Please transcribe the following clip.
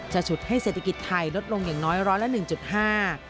จะฉุดให้เศรษฐกิจไทยลดลงอย่างน้อยร้อยละ๑๕